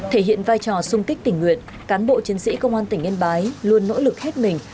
thể hiện vai trò sung kích tình nguyện cán bộ chiến sĩ công an tỉnh yên bái luôn nỗ lực hết mình